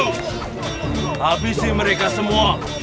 habisi mereka semua